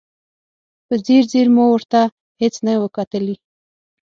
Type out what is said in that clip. په ځیر ځیر مو ورته هېڅ نه و کتلي.